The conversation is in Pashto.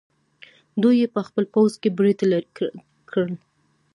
دوی یې په خپل پوځ کې برتۍ کړل.